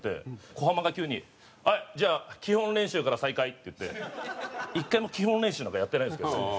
小浜が急に「はいじゃあ基本練習から再開」って言って１回も基本練習なんかやってないんですけど。